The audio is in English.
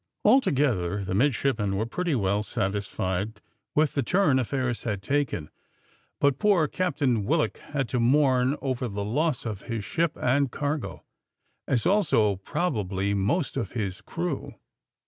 Altogether the midshipmen were pretty well satisfied with the turn affairs had taken; but poor Captain Willock had to mourn over the loss of his ship and cargo, as also, probably, most of his crew.